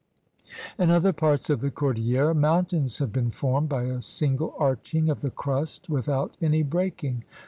In other parts of the cordillera, mountains have been formed by a single arching of the crust with out any breaking.